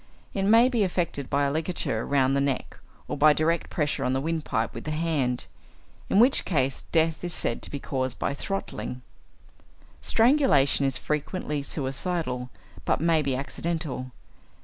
It may be effected by a ligature round the neck, or by direct pressure on the windpipe with the hand, in which case death is said to be caused by throttling. Strangulation is frequently suicidal, but may be accidental.